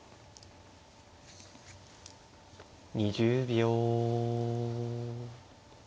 ２０秒。